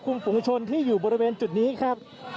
คุณภูริพัฒน์ครับ